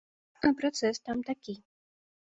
А працэс там такі.